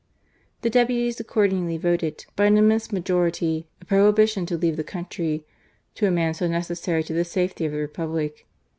The deputies accordingly voted by an immense majority a prohibition to leave the country "^0 a man so necessary to the safety of the Republic.'